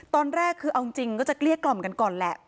ตอนแรกคือเอาจริงก็จะเกลี้ยกล่อมกันก่อนแหละ